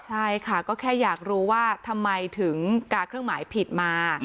ใช่ค่ะก็แค่อยากรู้ว่าทำไมถึงกาเครื่องหมายผิดมา